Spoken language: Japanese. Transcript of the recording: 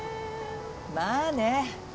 まあね。